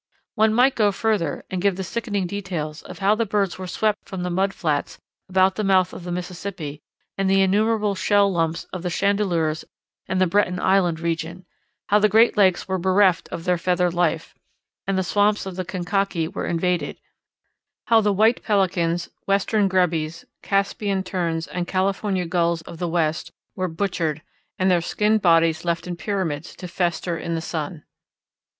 One might go further and give the sickening details of how the birds were swept from the mud flats about the mouth of the Mississippi and the innumerable shell lumps of the Chandeleurs and the Breton Island region; how the Great Lakes were bereft of their feathered life, and the swamps of the Kankakee were invaded; how the White Pelicans, Western Grebes, Caspian Terns, and California Gulls of the West were butchered and their skinned bodies left in pyramids to fester in the sun.